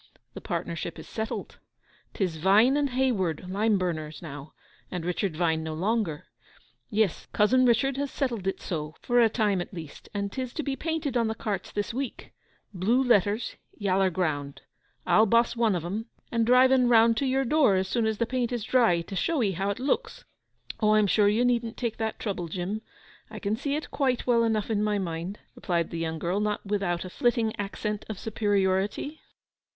'The partnership is settled. 'Tis "Vine and Hayward, lime burners," now, and "Richard Vine" no longer. Yes, Cousin Richard has settled it so, for a time at least, and 'tis to be painted on the carts this week—blue letters—yaller ground. I'll boss one of 'em, and drive en round to your door as soon as the paint is dry, to show 'ee how it looks?' 'Oh, I am sure you needn't take that trouble, Jim; I can see it quite well enough in my mind,' replied the young girl—not without a flitting accent of superiority.